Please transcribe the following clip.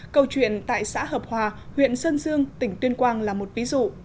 câu chuyện tại xã hợp hòa huyện sơn dương tỉnh tuyên quang là một ví dụ